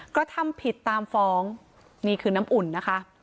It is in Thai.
กระทำผิดตามฟ้องนี่คือน้ำอุ่นนะคะ